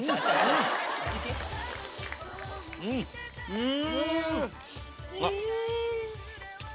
うん！